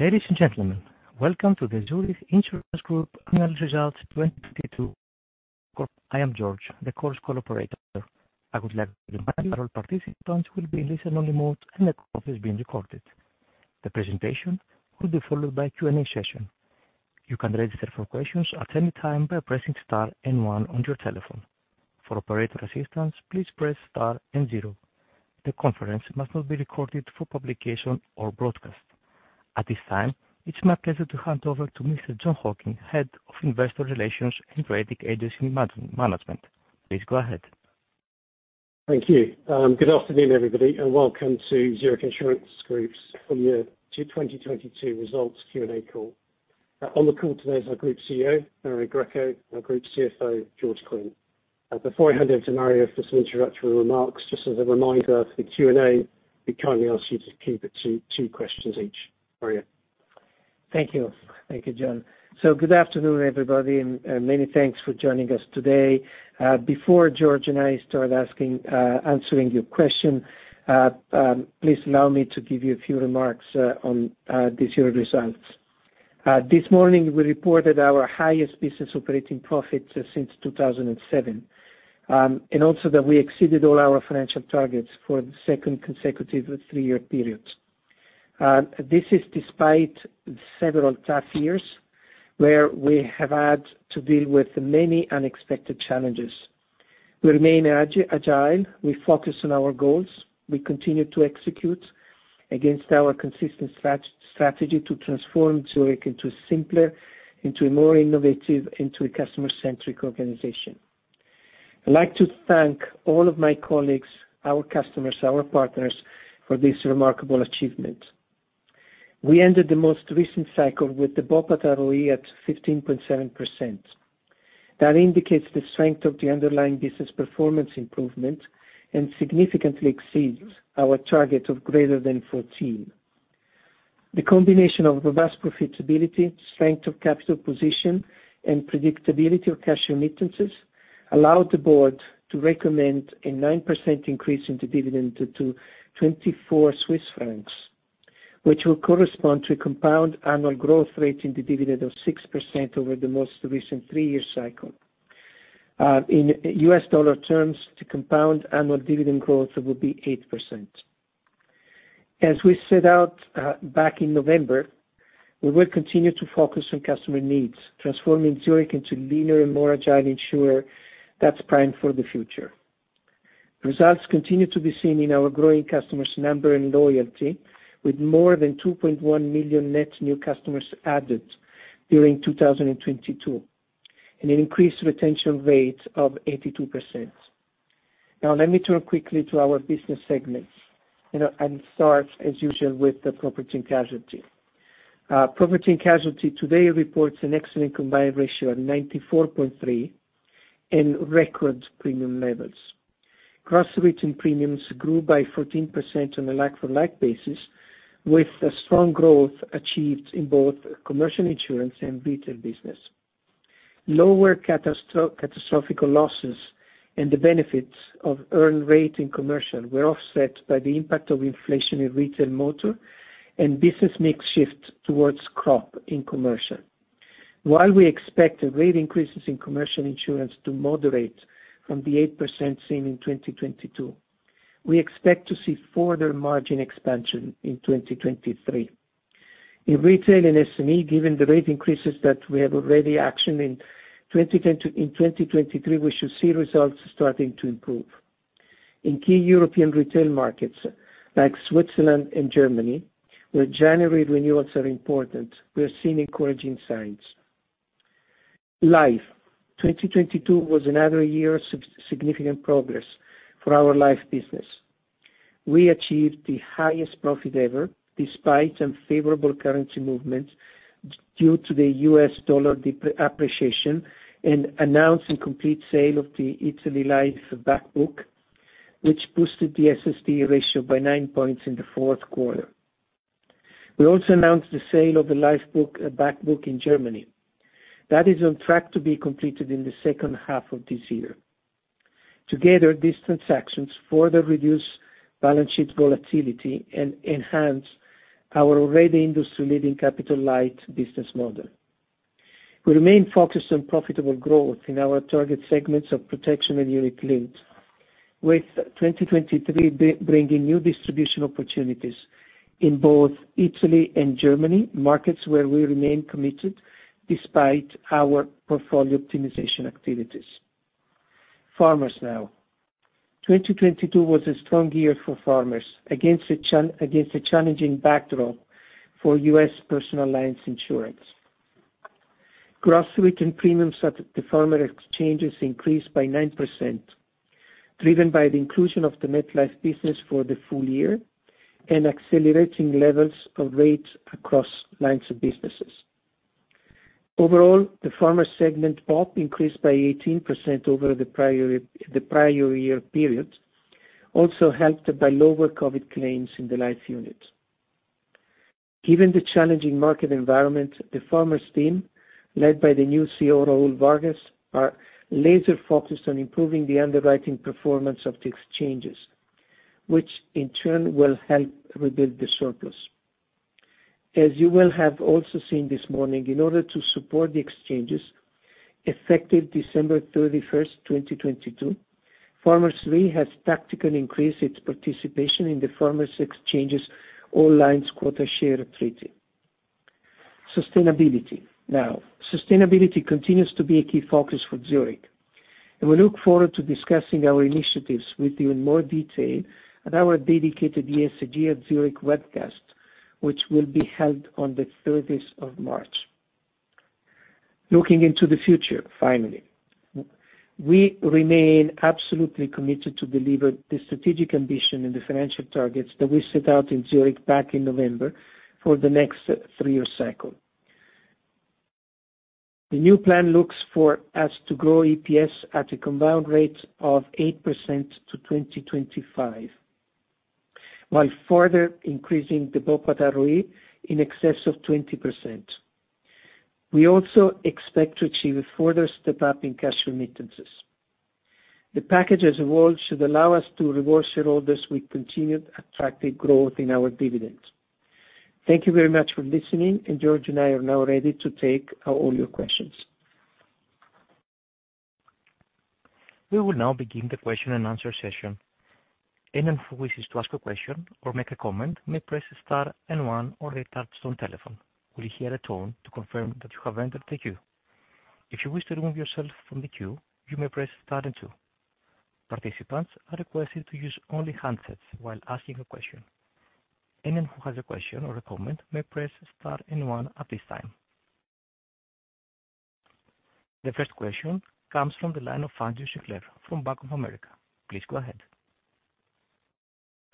Ladies and gentlemen, welcome to the Zurich Insurance Group Annual Results 2022. I am George, the course call operator. I would like to remind you that all participants will be in listen-only mode, and the call is being recorded. The presentation will be followed by Q&A session. You can register for questions at any time by pressing star and one on your telephone. For operator assistance, please press star and zero. The conference must not be recorded for publication or broadcast. At this time, it's my pleasure to hand over to Mr. Jon Hocking, Head of Investor Relations and Rating Agency Management. Please go ahead. Thank you. Good afternoon, everybody, and welcome to Zurich Insurance Group's full year H2 2022 results Q&A call. On the call today is our Group CEO, Mario Greco, our Group CFO, George Quinn. Before I hand over to Mario for some introductory remarks, just as a reminder for the Q&A, we kindly ask you to keep it to two questions each. Mario. Thank you. Thank you, Jon. Good afternoon, everybody, and many thanks for joining us today. Before George and I start asking, answering your question, please allow me to give you a few remarks on this year results. This morning we reported our highest business operating profit since 2007, and also that we exceeded all our financial targets for the second consecutive three-year period. This is despite several tough years where we have had to deal with many unexpected challenges. We remain agile. We focus on our goals. We continue to execute against our consistent strategy to transform Zurich into a simpler, into a more innovative, into a customer-centric organization. I'd like to thank all of my colleagues, our customers, our partners for this remarkable achievement. We ended the most recent cycle with the BOPAT ROE at 15.7%. That indicates the strength of the underlying business performance improvement and significantly exceeds our target of greater than 14%. The combination of robust profitability, strength of capital position, and predictability of cash remittances allowed the board to recommend a 9% increase in the dividend to 24 Swiss francs. Which will correspond to a compound annual growth rate in the dividend of 6% over the most recent three-year cycle. In U.S. dollar terms, the compound annual dividend growth will be 8%. As we set out back in November, we will continue to focus on customer needs, transforming Zurich into leaner and more agile insurer that's primed for the future. Results continue to be seen in our growing customers' number and loyalty, with more than 2.1 million net new customers added during 2022 and an increased retention rate of 82%. Let me turn quickly to our business segments and start, as usual, with the property and casualty. Property and casualty today reports an excellent combined ratio of 94.3 and record premium levels. Gross written premiums grew by 14% on a like for like basis, with a strong growth achieved in both commercial insurance and retail business. Lower catastrophic losses and the benefits of earned rate in commercial were offset by the impact of inflation in retail motor and business mix shift towards crop in commercial. While we expect rate increases in commercial insurance to moderate from the 8% seen in 2022, we expect to see further margin expansion in 2023. In retail and SME, given the rate increases that we have already actioned, in 2023, we should see results starting to improve. In key European retail markets like Switzerland and Germany, where January renewals are important, we are seeing encouraging signs. Life. 2022 was another year of significant progress for our Life business. We achieved the highest profit ever, despite unfavorable currency movements due to the U.S. dollar appreciation and announced the complete sale of the Italy Life back book, which boosted the SST ratio by 9 points in the fourth quarter. We also announced the sale of the Life book back book in Germany. That is on track to be completed in the second half of this year. Together, these transactions further reduce balance sheet volatility and enhance our already industry-leading capital light business model. We remain focused on profitable growth in our target segments of protection and unit-linked, with 2023 bringing new distribution opportunities in both Italy and Germany, markets where we remain committed despite our portfolio optimization activities. Farmers now. 2022 was a strong year for Farmers against a challenging backdrop for U.S. personal lines insurance. Gross written premiums at the Farmers Exchanges increased by 9%, driven by the inclusion of the MetLife business for the full year and accelerating levels of rates across lines of businesses. Overall, the Farmers segment POP increased by 18% over the prior year period, also helped by lower COVID claims in the life unit. Given the challenging market environment, the Farmers team led by the new CEO, Raul Vargas, are laser focused on improving the underwriting performance of the exchanges, which in turn will help rebuild the surplus. You will have also seen this morning, in order to support the exchanges effective December 31st, 2022, Farmers Re has tactically increased its participation in the Farmers Exchanges all lines quota share treaty. Sustainability. Sustainability continues to be a key focus for Zurich, and we look forward to discussing our initiatives with you in more detail at our dedicated ESG at Zurich webcast, which will be held on the 30th of March. Looking into the future, finally. We remain absolutely committed to deliver the strategic ambition and the financial targets that we set out in Zurich back in November for the next three-year cycle. The new plan looks for us to grow EPS at a compound rate of 8% to 2025, while further increasing the BOPAT ROE in excess of 20%. We also expect to achieve a further step up in cash remittances. The package as a whole should allow us to reward shareholders with continued attractive growth in our dividends. Thank you very much for listening, George and I are now ready to take all your questions. We will now begin the question and answer session. Anyone who wishes to ask a question or make a comment may press star and one on their touchtone telephone. You will hear a tone to confirm that you have entered the queue. If you wish to remove yourself from the queue, you may press star and two. Participants are requested to use only handsets while asking a question. Anyone who has a question or a comment may press star and one at this time. The first question comes from the line of Andrew Sinclair from Bank of America. Please go ahead.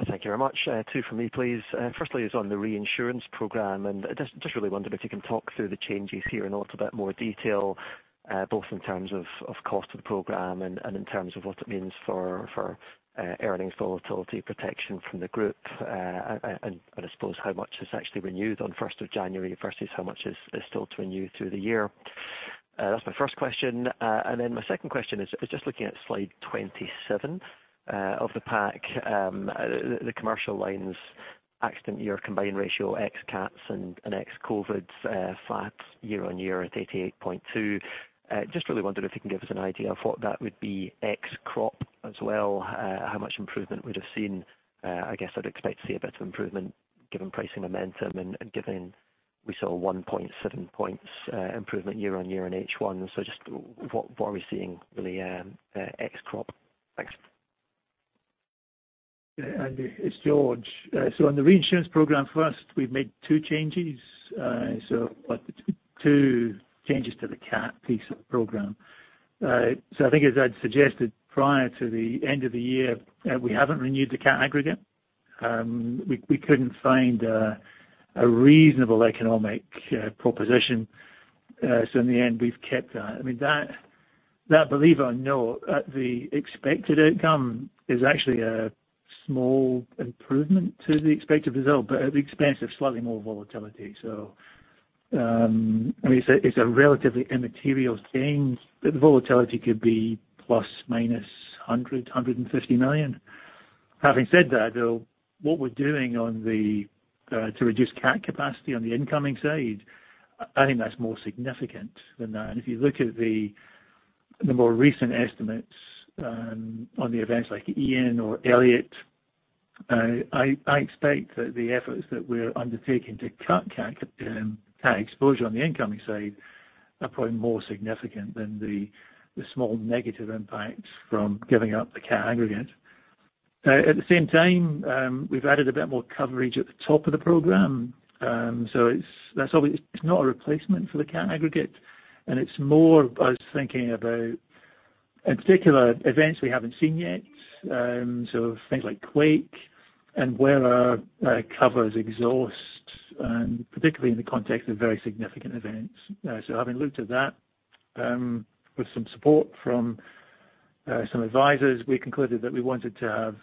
Thank you very much. Two for me, please. Firstly is on the reinsurance program, just really wonder if you can talk through the changes here in a little bit more detail, both in terms of cost of the program and in terms of what it means for earnings volatility protection from the group, and I suppose how much is actually renewed on 1st of January versus how much is still to renew through the year? That's my first question. My second question is just looking at slide 27 of the pack, the commercial lines accident year combined ratio ex-cats and ex-COVID, flat year-on-year at 88.2%. Just really wondered if you can give us an idea of what that would be ex crop as well, how much improvement we'd have seen. I guess I'd expect to see a bit of improvement given pricing momentum and given we saw 1.7 points improvement year-on-year in H1. Just what are we seeing really, ex crop? Thanks. Andrew, it's George. On the reinsurance program, first, we've made two changes. Two changes to the cat piece of the program. I think as I'd suggested prior to the end of the year, we haven't renewed the cat aggregate. We couldn't find a reasonable economic proposition. In the end, we've kept that. I mean, that believe or know the expected outcome is actually a small improvement to the expected result, but at the expense of slightly more volatility. I mean, it's a relatively immaterial change, but the volatility could be ±$150 million. Having said that, though, what we're doing on the to reduce cat capacity on the incoming side, I think that's more significant than that. If you look at the more recent estimates on the events like Ian or Elliott, I expect that the efforts that we're undertaking to cut cat exposure on the incoming side are probably more significant than the small negative impact from giving up the cat aggregate. At the same time, we've added a bit more coverage at the top of the program. That's always, it's not a replacement for the cat aggregate, and it's more us thinking about in particular events we haven't seen yet. Things like quake and where our covers exhaust, and particularly in the context of very significant events. Having looked at that, with some support from some advisors, we concluded that we wanted to have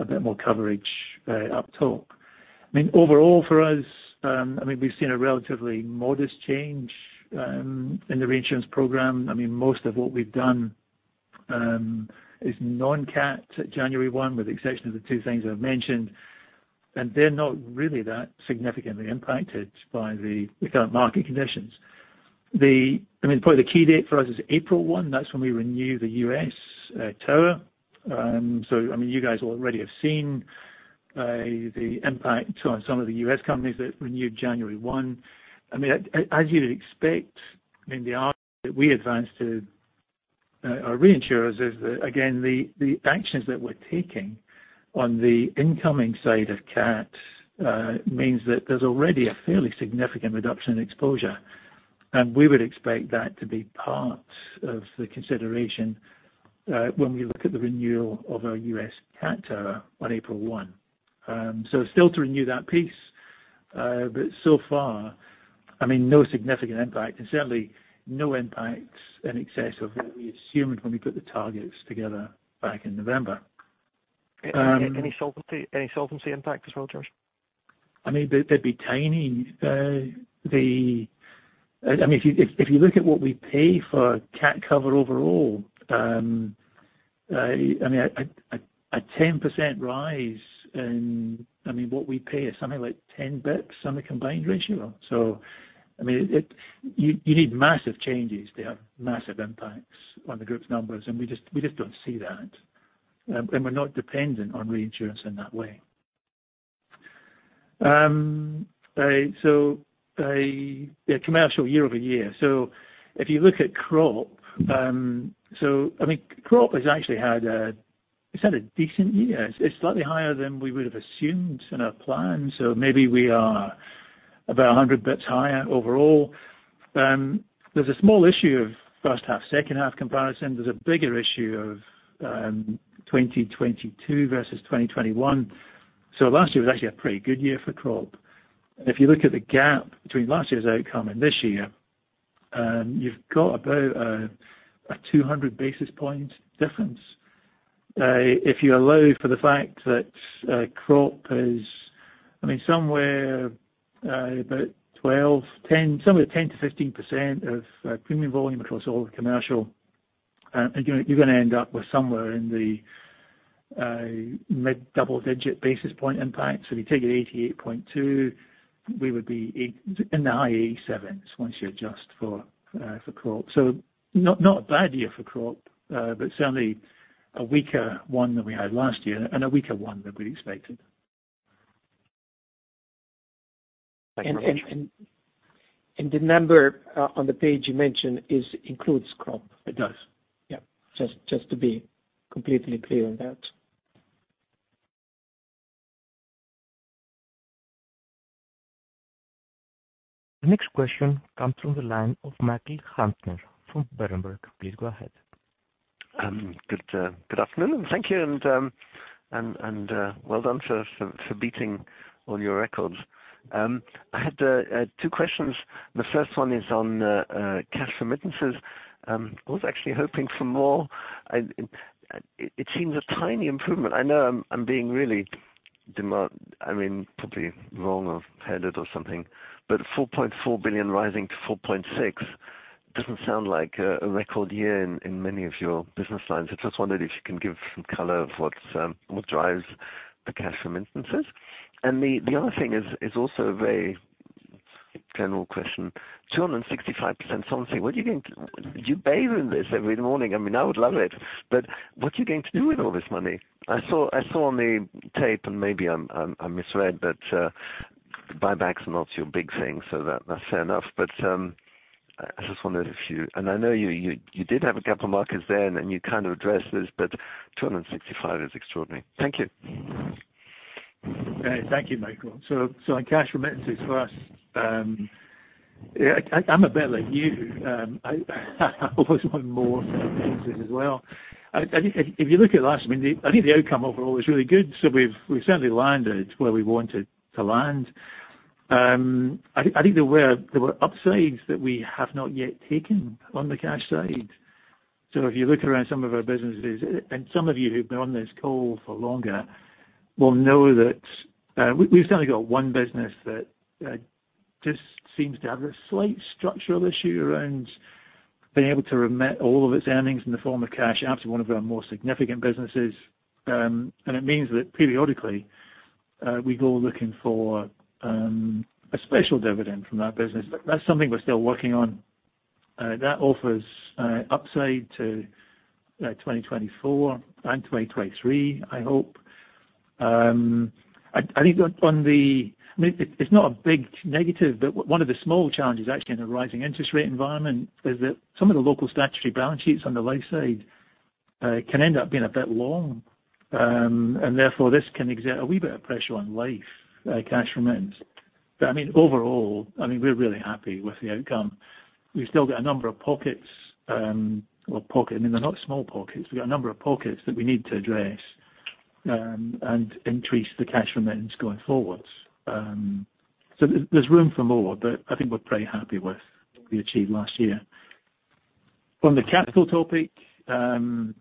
a bit more coverage up top. I mean, overall for us, I mean, we've seen a relatively modest change in the reinsurance program. I mean, most of what we've done is non-cat January 1, with the exception of the two things I've mentioned, and they're not really that significantly impacted by the current market conditions. I mean, probably the key date for us is April 1. That's when we renew the U.S. tower. I mean, you guys already have seen the impact on some of the U.S. companies that renewed January 1. I mean, as you'd expect, I mean, the argument that we advanced to our reinsurers is that again, the actions that we're taking on the incoming side of cats means that there's already a fairly significant reduction in exposure. We would expect that to be part of the consideration when we look at the renewal of our U.S. cat tower on April 1. Still to renew that piece, but so far, I mean, no significant impact and certainly no impacts in excess of what we assumed when we put the targets together back in November. Any solvency impact as well, George? I mean, they'd be tiny. I mean, if you look at what we pay for cat cover overall, I mean, a 10% rise in, I mean, what we pay is something like 10 basis points on a combined ratio. I mean, you need massive changes to have massive impacts on the group's numbers, and we just don't see that. We're not dependent on reinsurance in that way. Yeah, commercial year-over-year. If you look at crop, I mean, crop has actually had a decent year. It's slightly higher than we would have assumed in our plan. Maybe we are about 100 basis points higher overall. There's a small issue of first half, second half comparison. There's a bigger issue of 2022 versus 2021. Last year was actually a pretty good year for crop. If you look at the gap between last year's outcome and this year, you've got about a 200 basis point difference. If you allow for the fact that crop is, I mean, somewhere about 12%, 10%, somewhere 10%-15% of premium volume across all the commercial, you're gonna end up with somewhere in the mid-double-digit basis point impact. If you take it 88.2, we would be in the high 87s once you adjust for crop. Not, not a bad year for crop, but certainly a weaker one than we had last year and a weaker one than we'd expected. Thank you very much. The number on the page you mentioned is includes crop. It does. Yeah. Just to be completely clear on that. The next question comes from the line of Michael Huttner from Berenberg. Please go ahead. Good afternoon, and thank you. Well done for beating all your records. I had two questions. The first one is on cash remittances. I was actually hoping for more. It seems a tiny improvement. I know I'm being really demand, I mean, probably wrong or headed or something, but $4.4 billion rising to $4.6 billion doesn't sound like a record year in many of your business lines. I just wondered if you can give some color of what drives the cash remittances. The other thing is also a very general question. 265% something, what are you going to, you bathe in this every morning, I mean, I would love it, but what are you going to do with all this money? I saw on the tape, maybe I misread, but buybacks are not your big thing, so that's fair enough. I just wondered if you. I know you did have a couple markets there, and then you kind of addressed this, but 265% is extraordinary. Thank you. Thank you, Michael. On cash remittances for us, yeah, I'm a bit like you. I always want more remittances as well. I think if you look at last, I mean, I think the outcome overall was really good, so we've certainly landed where we wanted to land. I think there were upsides that we have not yet taken on the cash side. If you look around some of our businesses, and some of you who've been on this call for longer will know that we've certainly got one business that just seems to have a slight structural issue around being able to remit all of its earnings in the form of cash out to one of our more significant businesses. It means that periodically, we go looking for a special dividend from that business. That's something we're still working on. That offers upside to 2024 and 2023, I hope. I think on the, I mean, it's not a big negative, but one of the small challenges actually in a rising interest rate environment is that some of the local statutory balance sheets on the life side can end up being a bit long. Therefore, this can exert a wee bit of pressure on life cash remittance. I mean, overall, I mean, we're really happy with the outcome. We've still got a number of pockets, well, pocket, I mean, they're not small pockets. We've got a number of pockets that we need to address and increase the cash remittance going forwards. There's room for more, but I think we're pretty happy with what we achieved last year. On the capital topic, I mean,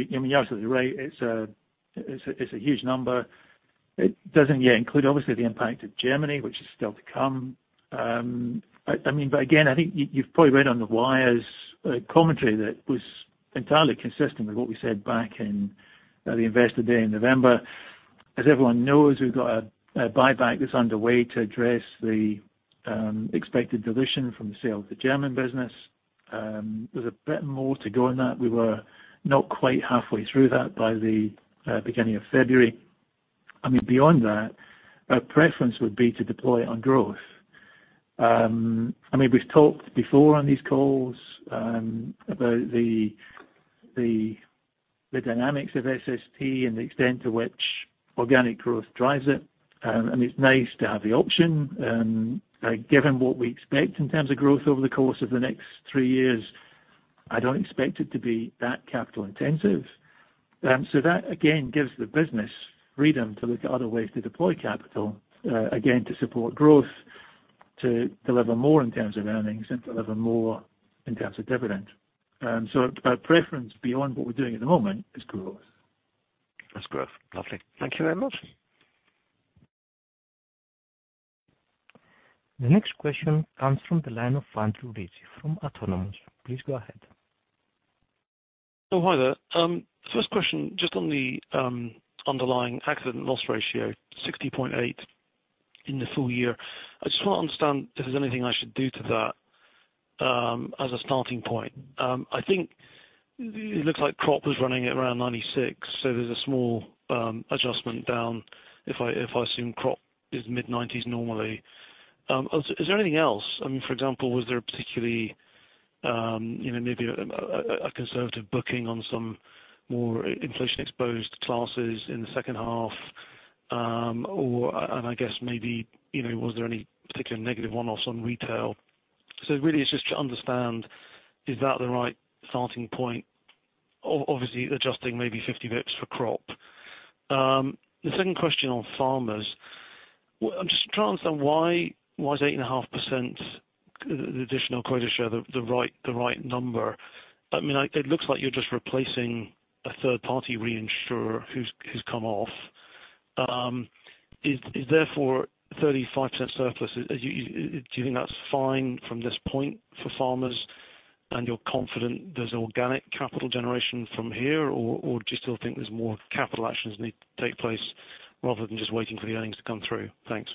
you're absolutely right. It's a huge number. It doesn't yet include obviously the impact of Germany, which is still to come. I mean, again, I think you've probably read on the wires commentary that was entirely consistent with what we said back in the Investor Day in November. As everyone knows, we've got a buyback that's underway to address the expected dilution from the sale of the German business. There's a bit more to go on that. We were not quite halfway through that by the beginning of February. I mean, beyond that, our preference would be to deploy it on growth. I mean, we've talked before on these calls, about the dynamics of SST and the extent to which organic growth drives it. It's nice to have the option. Given what we expect in terms of growth over the course of the next 3 years, I don't expect it to be that capital intensive. That again gives the business freedom to look at other ways to deploy capital, again, to support growth. To deliver more in terms of earnings and deliver more in terms of dividend. Our preference beyond what we're doing at the moment is growth. Is growth. Lovely. Thank you very much. The next question comes from the line of Andrew Ritchie from Autonomous Research. Please go ahead. Hi there. First question, just on the underlying accident loss ratio, 60.8% in the full year. I just want to understand if there's anything I should do to that as a starting point. I think it looks like crop was running at around 96%, so there's a small adjustment down if I assume crop is mid-90s normally. Is there anything else? I mean, for example, was there a particularly, you know, maybe a conservative booking on some more inflation exposed classes in the second half? Or I guess maybe, you know, was there any particular negative one-offs on retail? Really it's just to understand is that the right starting point? Obviously adjusting maybe 50 basis points for crop. The second question on Farmers. I'm just trying to understand why is 8.5% the additional quota share the right number? I mean, it looks like you're just replacing a third party reinsurer who's come off. Is therefore 35% surplus. Do you think that's fine from this point for Farmers and you're confident there's organic capital generation from here? Do you still think there's more capital actions need to take place rather than just waiting for the earnings to come through? Thanks.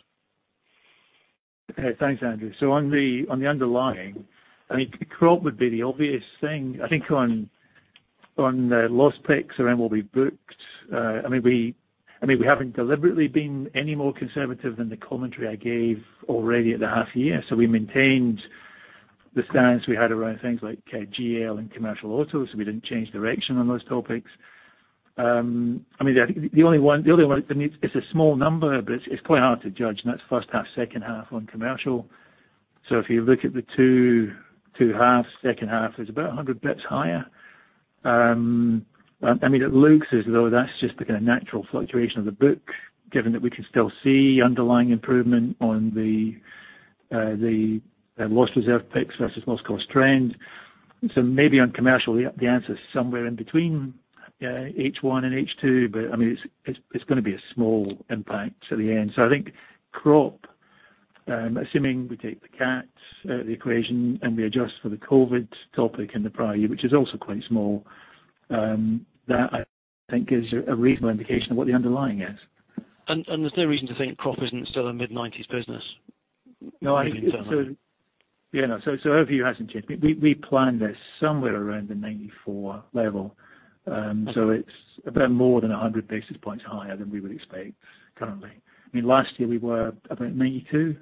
Okay. Thanks, Andrew. On the, on the underlying, I mean crop would be the obvious thing. I think on the loss picks around what we booked. I mean, we haven't deliberately been any more conservative than the commentary I gave already at the half year. We maintained the stance we had around things like GL and commercial auto, so we didn't change direction on those topics. I mean, the only one that needs, It's a small number, but it's quite hard to judge, and that's first half, second half on commercial. If you look at the two halves, second half is about 100 basis points higher. I mean it looks as though that's just the kind of natural fluctuation of the book, given that we can still see underlying improvement on the loss reserve picks versus loss cost trend. Maybe on commercial the answer is somewhere in between H1 and H2. I mean it's gonna be a small impact to the end. I think crop, assuming we take the CATs out of the equation and we adjust for the COVID topic in the prior year, which is also quite small, that I think is a reasonable indication of what the underlying is. There's no reason to think crop isn't still a mid-90s business? No. Our view hasn't changed. We planned this somewhere around the 94% level. It's about more than 100 basis points higher than we would expect currently. I mean, last year we were about 92%.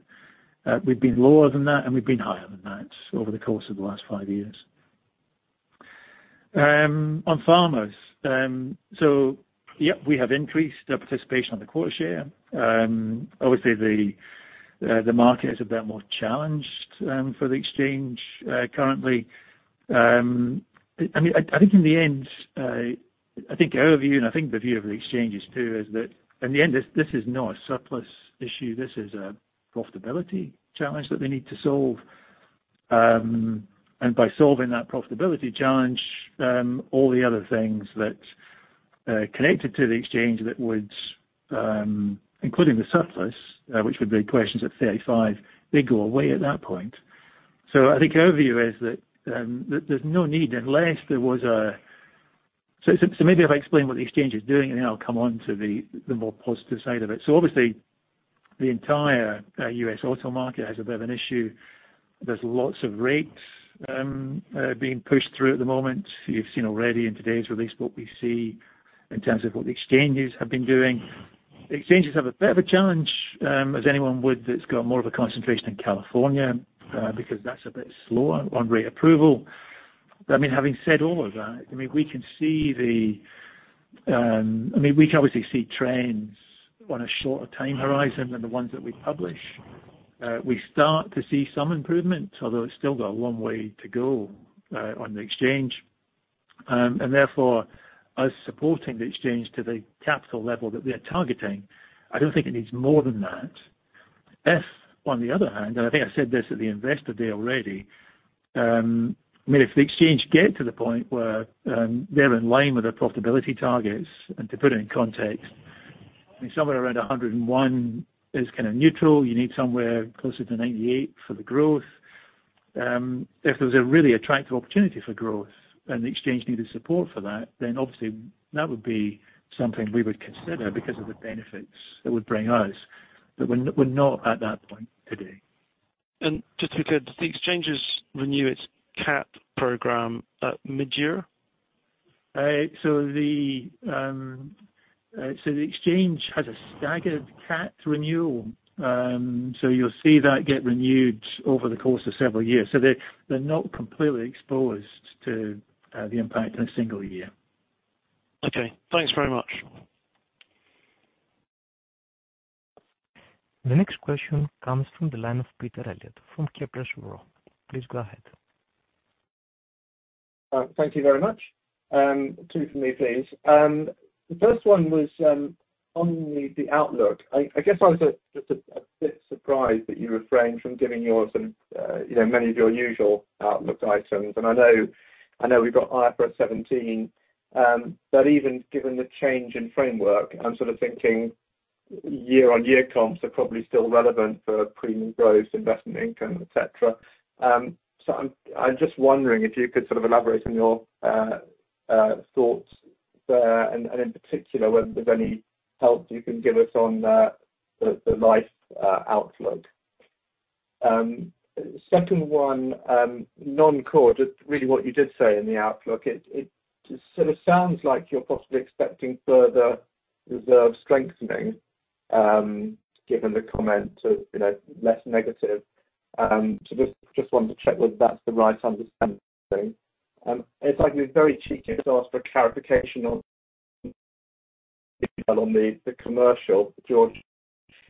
We've been lower than that and we've been higher than that over the course of the last 5 years. On Farmers. Yep, we have increased our participation on the quota share. Obviously the market is a bit more challenged for the Exchanges currently. I mean, I think in the end, I think our view and I think the view of the Exchanges too, is that in the end, this is not a surplus issue, this is a profitability challenge that they need to solve. And by solving that profitability challenge, all the other things that connected to the Exchanges that would, including the surplus, which would be quotations at 35%, they go away at that point. I think our view is that there's no need unless there was a. Maybe if I explain what the Exchanges is doing and then I'll come on to the more positive side of it. Obviously the entire U.S. auto market has a bit of an issue. There's lots of rates being pushed through at the moment. You've seen already in today's release what we see in terms of what the Exchanges have been doing. The Exchanges have a bit of a challenge as anyone would that's got more of a concentration in California because that's a bit slower on rate approval. I mean, having said all of that, I mean, we can see the, I mean, we can obviously see trends on a shorter time horizon than the ones that we publish. We start to see some improvement, although it's still got a long way to go, on the Exchange. Therefore, us supporting the Exchange to the capital level that we are targeting, I don't think it needs more than that. If on the other hand, and I think I said this at the investor day already, I mean, if the Exchange get to the point where they're in line with their profitability targets, and to put it in context, I mean somewhere around 101% is kinda neutral. You need somewhere closer to 98% for the growth. If there was a really attractive opportunity for growth and the exchange needed support for that, then obviously that would be something we would consider because of the benefits that would bring us. We're not at that point today. Just to be clear, do the Exchanges renew its CAT program at midyear? The exchange has a staggered CAT renewal. You'll see that get renewed over the course of several years. They're not completely exposed to the impact in a single year. Okay. Thanks very much. The next question comes from the line of Peter Eliot from Kepler Cheuvreux. Please go ahead. Thank you very much. Two for me, please. The first one was on the outlook. I guess I was just a bit surprised that you refrained from giving your sort of, you know, many of your usual outlook items. I know we've got IFRS 17. Even given the change in framework, I'm sort of thinking year-on-year comps are probably still relevant for premium growth, investment income, et cetera. I'm just wondering if you could sort of elaborate on your thoughts there and in particular, whether there's any help you can give us on the life outlook. Second one, non-core. Just really what you did say in the outlook? It just sort of sounds like you're possibly expecting further reserve strengthening, given the comment of, you know, less negative. Just wanted to check whether that's the right understanding? It's likely very cheeky to ask for clarification on the commercial, George.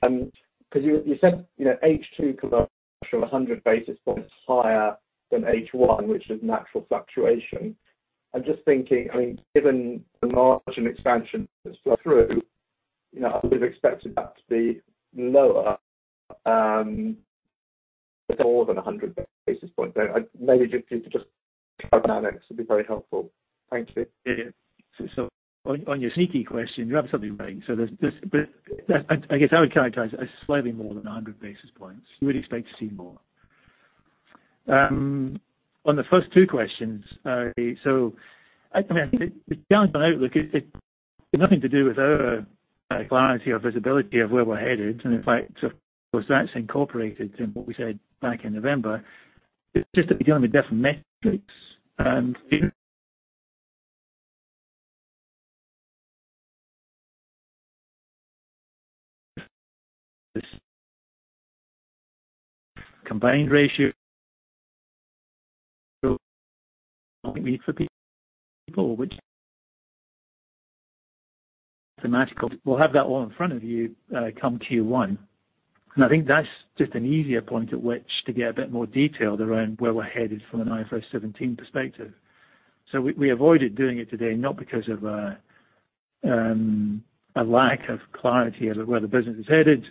'Cause you said, you know, H2 commercial 100 basis points higher than H1, which is natural fluctuation. I'm just thinking, I mean, given the margin expansion that's flow through, you know, I would've expected that to be lower, but more than 100 basis point though. Maybe just if you could just would be very helpful. Thank you. Yeah. On your sneaky question, you have something right. I guess I would characterize it as slightly more than 100 basis points. You would expect to see more. On the first two questions, I mean, the challenge on outlook is nothing to do with our clarity or visibility of where we're headed. In fact, of course, that's incorporated in what we said back in November. It's just that we're dealing with different metrics, and combined ratio for people, which mathematical. We'll have that all in front of you, come Q1. I think that's just an easier point at which to get a bit more detailed around where we're headed from an IFRS 17 perspective. We avoided doing it today, not because of a lack of clarity of where the business is headed.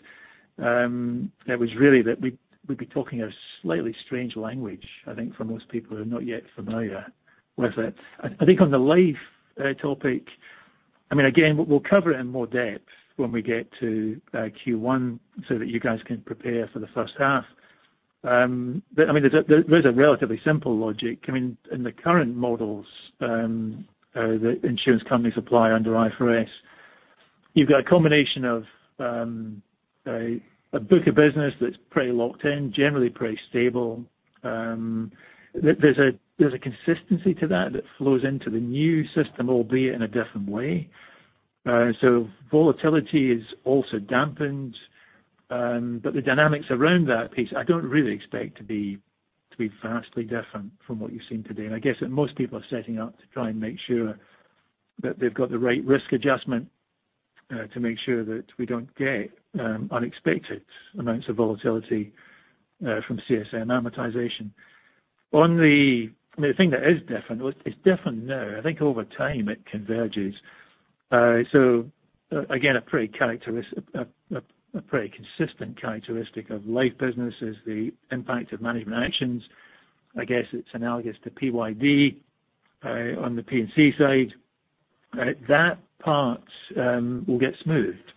It was really that we'd be talking a slightly strange language, I think, for most people who are not yet familiar with it. I think on the life topic, I mean, again, we'll cover it in more depth when we get to Q1 so that you guys can prepare for the first half. I mean, there's a relatively simple logic. I mean, in the current models, the insurance companies supply under IFRS. You've got a combination of a book of business that's pretty locked in, generally pretty stable. There's a consistency to that that flows into the new system, albeit in a different way. Volatility is also dampened. The dynamics around that piece I don't really expect to be vastly different from what you've seen today. I guess that most people are setting up to try and make sure that they've got the right risk adjustment to make sure that we don't get unexpected amounts of volatility from CSM and amortization. I mean, the thing that is different, well it's different now, I think over time it converges. Again, a pretty consistent characteristic of life business is the impact of management actions. I guess it's analogous to PYD on the P&C side. That part will get smoothed.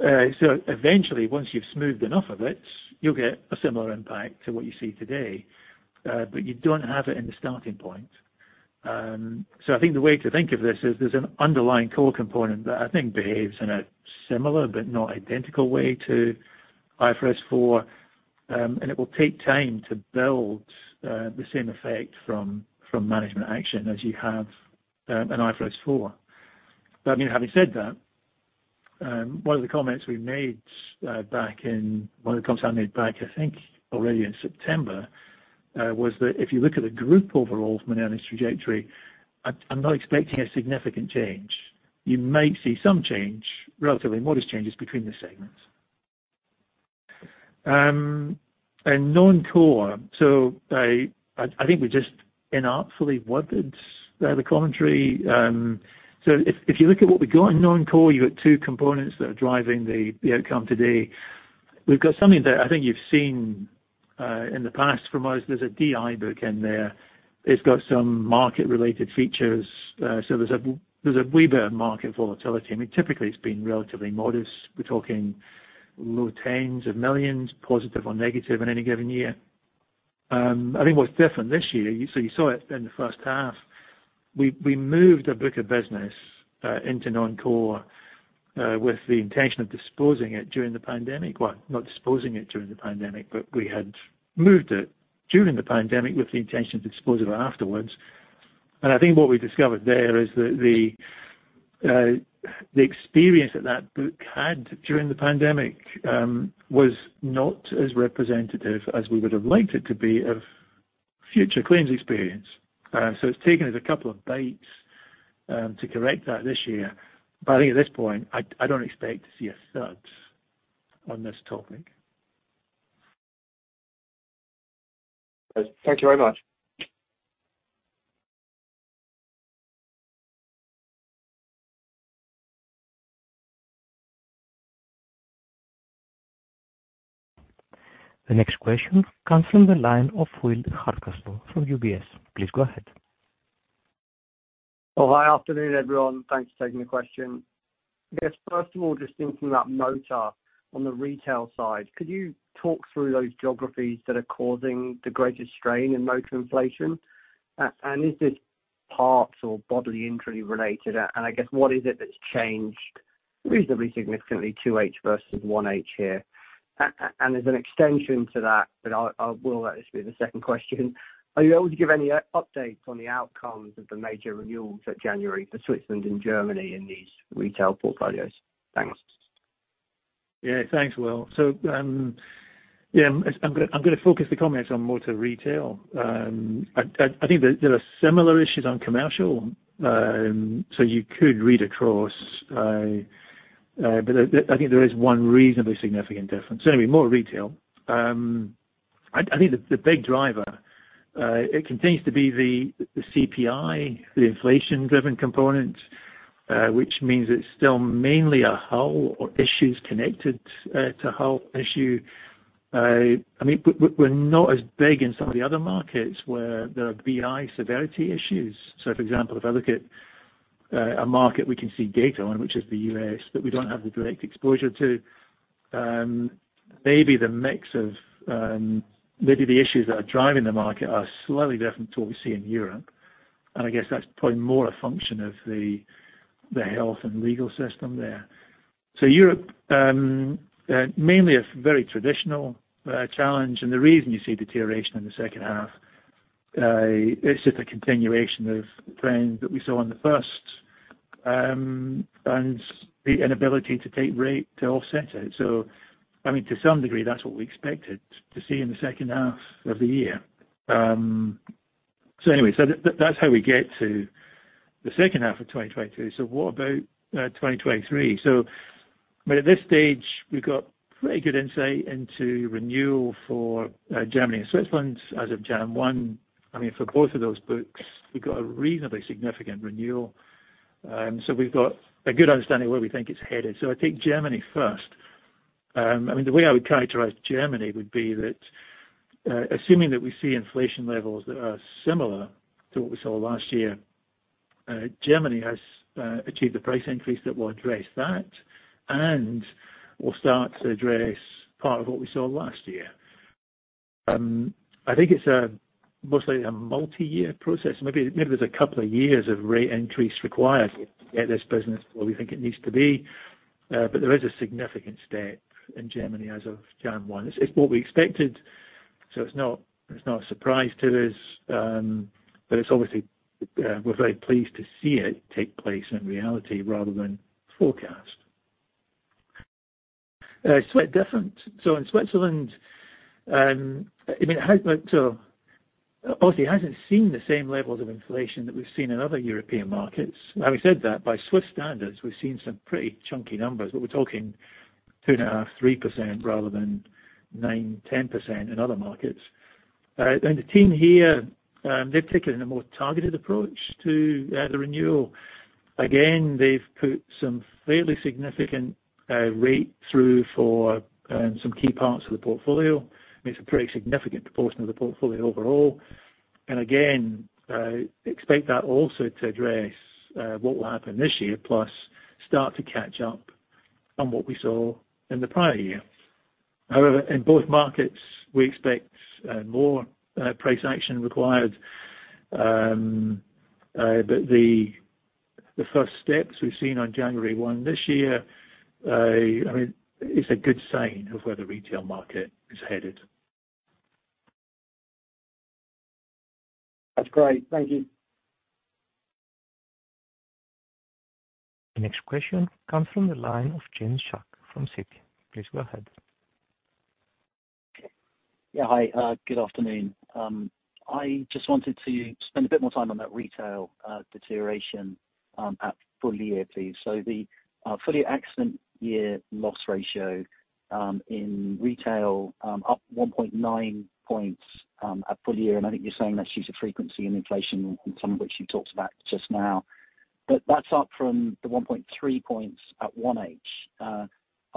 Eventually, once you've smoothed enough of it, you'll get a similar impact to what you see today. You don't have it in the starting point. I think the way to think of this is there's an underlying core component that I think behaves in a similar but not identical way to IFRS 4. It will take time to build the same effect from management action as you have in IFRS 4. Having said that, One of the comments I made back, I think already in September, was that if you look at the group overall from an earnings trajectory, I'm not expecting a significant change. You might see some change, relatively modest changes between the segments. Non-core, I think we just inartfully worded the commentary. If you look at what we've got in non-core, you've got two components that are driving the outcome today. We've got something that I think you've seen in the past from us. There's a DI book in there. It's got some market related features. So there's a, there's a wee bit of market volatility. I mean, typically it's been relatively modest. We're talking low tens of millions, positive or negative in any given year. I think what's different this year, so you saw it in the first half, we moved a book of business into non-core with the intention of disposing it during the pandemic. Well, not disposing it during the pandemic, but we had moved it during the pandemic with the intention to dispose it afterwards. I think what we discovered there is that the experience that that book had during the pandemic was not as representative as we would've liked it to be of future claims experience. It's taken us a couple of bites to correct that this year. I think at this point, I don't expect to see a surge on this topic. Thank you very much. The next question comes from the line of Will Hardcastle from UBS. Please go ahead. Hi. Afternoon, everyone. Thanks for taking the question. I guess, first of all, just thinking about motor on the retail side, could you talk through those geographies that are causing the greatest strain in motor inflation? Is this parts or bodily injury related? I guess, what is it that's changed reasonably significantly 2H versus 1H here? As an extension to that, but I will let this be the second question, are you able to give any updates on the outcomes of the major renewals at January for Switzerland and Germany in these retail portfolios? Thanks. Thanks, Will Hardcastle. I'm going to focus the comments on motor retail. I think there are similar issues on commercial. You could read across. But there is one reasonably significant difference. Anyway, more retail. I think the big driver, it continues to be the CPI, the inflation driven component, which means it's still mainly a whole or issues connected to whole issue. I mean, we're not as big in some of the other markets where there are BI severity issues. For example, if I look at a market we can see data on, which is the U.S., but we don't have the direct exposure to, maybe the mix of, maybe the issues that are driving the market are slightly different to what we see in Europe. I guess that's probably more a function of the health and legal system there. Europe, mainly a very traditional challenge. The reason you see deterioration in the second half, it's just a continuation of trends that we saw in the first, and the inability to take rate to offset it. I mean, to some degree, that's what we expected to see in the second half of the year. Anyway, that's how we get to the second half of 2020. What about 2023? I mean, at this stage we've got pretty good insight into renewal for Germany and Switzerland as of Jan 1. I mean, for both of those books, we've got a reasonably significant renewal. We've got a good understanding of where we think it's headed. I'll take Germany first. I mean, the way I would characterize Germany would be that, assuming that we see inflation levels that are similar to what we saw last year, Germany has achieved a price increase that will address that and will start to address part of what we saw last year. I think it's a mostly a multi-year process. Maybe there's a couple of years of rate increase required to get this business where we think it needs to be. There is a significant step in Germany as of Jan 1. It's what we expected, so it's not a surprise to us. It's obviously, we're very pleased to see it take place in reality rather than forecast. Slight different. In Switzerland, it obviously hasn't seen the same levels of inflation that we've seen in other European markets. Now, we said that by Swiss standards, we've seen some pretty chunky numbers, but we're talking 2.5%-3% rather than 9%-10% in other markets. The team here, they've taken a more targeted approach to the renewal. Again, they've put some fairly significant rate through for some key parts of the portfolio. It's a pretty significant proportion of the portfolio overall. Again, expect that also to address what will happen this year plus start to catch up on what we saw in the prior year. In both markets we expect more price action required. The first steps we've seen on January 1 this year, I mean, it's a good sign of where the retail market is headed. That's great. Thank you. The next question comes from the line of James Shuck from Citi. Please go ahead. Yeah. Hi, good afternoon. I just wanted to spend a bit more time on that retail, deterioration, at full year, please. The full year accident year loss ratio, in retail, up 1.9 points, at full year, and I think you're saying that's due to frequency and inflation and some of which you talked about just now. That's up from the 1.3 points at 1H. At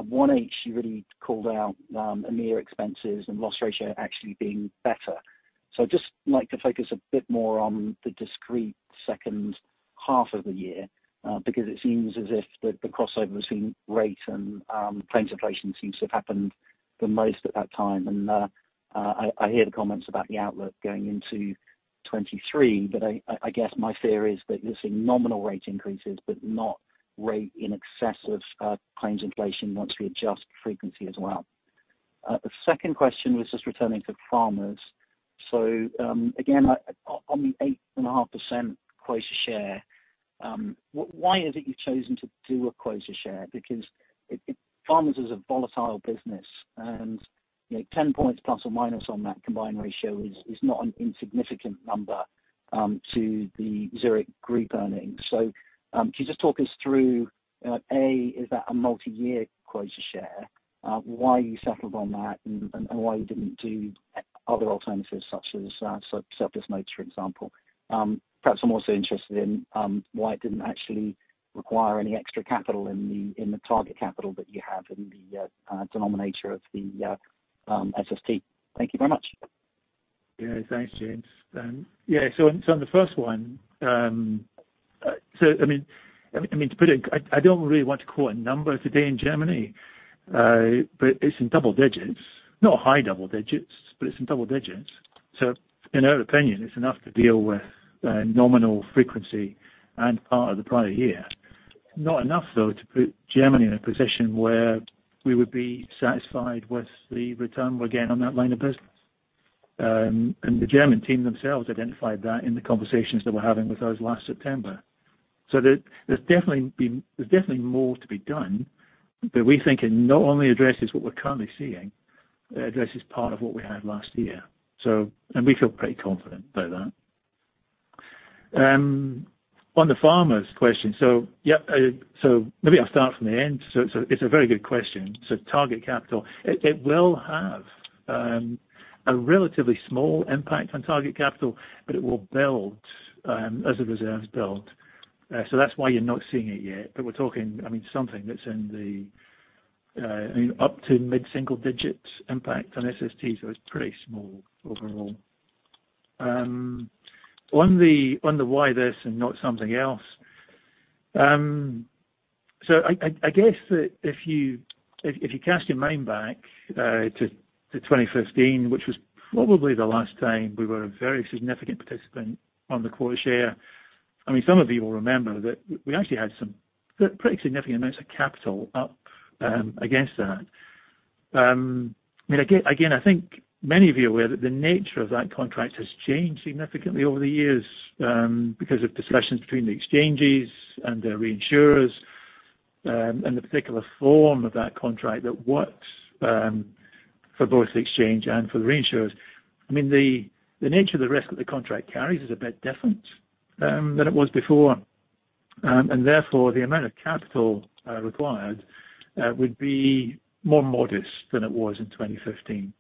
1H, you really called out a near expenses and loss ratio actually being better. I'd just like to focus a bit more on the discrete second half of the year, because it seems as if the crossover between rate and claims inflation seems to have happened the most at that time. I hear the comments about the outlook going into 2023, but I guess my fear is that you're seeing nominal rate increases but not rate in excess of claims inflation once we adjust frequency as well. The second question was just returning to Farmers. Again, on the 8.5% quota share, why is it you've chosen to do a quota share? Because it, Farmers is a volatile business and, you know, 10 points plus or minus on that combined ratio is not an insignificant number to the Zurich Group earnings. Can you just talk us through, is that a multi-year quota share? Why you settled on that and why you didn't do other alternatives such as surplus notes, for example? Perhaps I'm also interested in why it didn't actually require any extra capital in the, in the target capital that you have in the denominator of the SST? Thank you very much. Thanks, James. On the first one, I mean, to put it, I don't really want to quote a number today in Germany, but it's in double digits. Not high double digits, but it's in double digits. In our opinion, it's enough to deal with nominal frequency and part of the prior year. Not enough, though, to put Germany in a position where we would be satisfied with the return we're getting on that line of business. The German team themselves identified that in the conversations they were having with us last September. There's definitely been... There's definitely more to be done, but we think it not only addresses what we're currently seeing, it addresses part of what we had last year. We feel pretty confident about that. On the Farmers question, maybe I'll start from the end. It's a very good question. Target capital, it will have a relatively small impact on target capital, but it will build as the reserves build. That's why you're not seeing it yet. We're talking, something that's in the up to mid-single digits impact on SSTs. It's pretty small overall. On the why this and not something else. I guess that if you cast your mind back to 2015, which was probably the last time we were a very significant participant on the quota share, some of you will remember that we actually had some pretty significant amounts of capital up against that. Again, I think many of you are aware that the nature of that contract has changed significantly over the years, because of discussions between the exchanges and their reinsurers, and the particular form of that contract that works for both the exchange and for the reinsurers. I mean, the nature of the risk that the contract carries is a bit different than it was before. Therefore, the amount of capital required would be more modest than it was in 2015.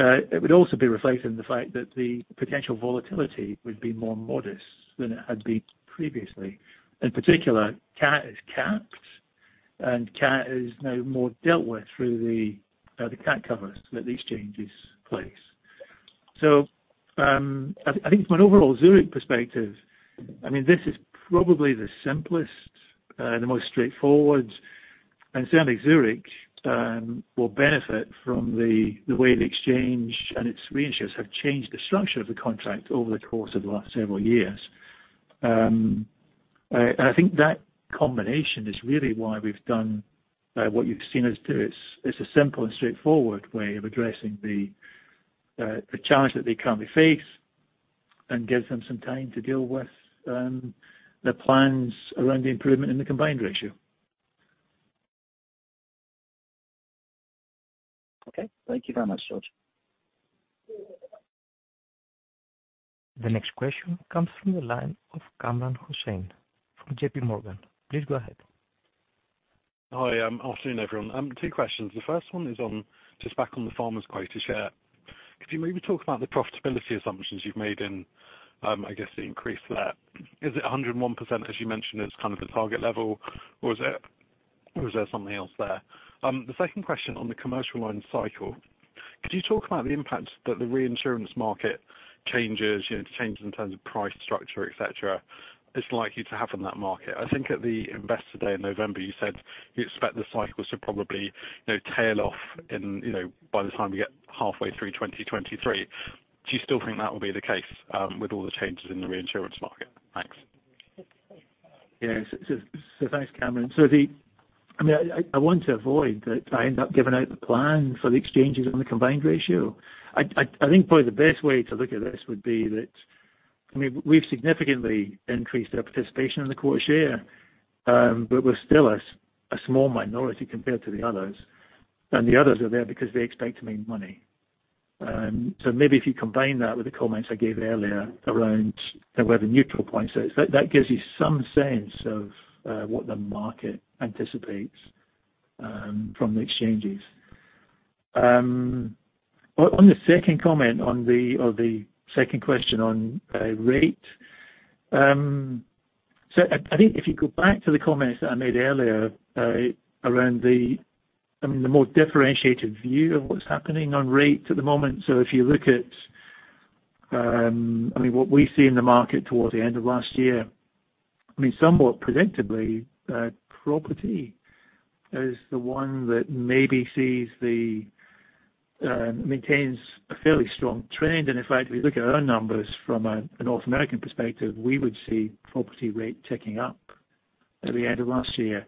It would also be reflected in the fact that the potential volatility would be more modest than it had been previously. In particular, CAT is capped, and CAT is now more dealt with through the CAT covers that the exchanges place. I think from an overall Zurich perspective, I mean, this is probably the simplest, the most straightforward. Certainly Zurich will benefit from the way the exchange and its reinsurers have changed the structure of the contract over the course of the last several years. I think that combination is really why we've done what you've seen us do. It's a simple and straightforward way of addressing the challenge that they currently face and gives them some time to deal with the plans around the improvement in the combined ratio. Okay. Thank you very much, George. The next question comes from the line of Kamran Hossain from JPMorgan. Please go ahead. Hi. Afternoon, everyone. Two questions. The first one is on just back on the Farmers quota share. Could you maybe talk about the profitability assumptions you've made in, I guess, the increase there? Is it 101%, as you mentioned, as kind of the target level, or is there something else there? The second question on the commercial line cycle, could you talk about the impact that the reinsurance market changes, you know, changes in terms of price structure, et cetera, is likely to have on that market? I think at the Investor Day in November, you said you expect the cycles to probably, you know, tail off in, you know, by the time we get halfway through 2023. Do you still think that will be the case with all the changes in the reinsurance market? Thanks. Yes. So thanks, Kamran. I mean, I want to avoid that I end up giving out the plan for the exchanges on the combined ratio. I think probably the best way to look at this would be that, I mean, we've significantly increased our participation in the quota share, but we're still a small minority compared to the others. The others are there because they expect to make money. So maybe if you combine that with the comments I gave earlier around where the neutral point is, that gives you some sense of what the market anticipates from the exchanges. On the second comment on the, or the second question on rate. I think if you go back to the comments that I made earlier, around the, I mean, the more differentiated view of what's happening on rates at the moment. If you look at, I mean, what we see in the market towards the end of last year, I mean, somewhat presentably, property is the one that maybe sees the, maintains a fairly strong trend. And in fact, if we look at our numbers from a North American perspective, we would see property rate ticking up at the end of last year.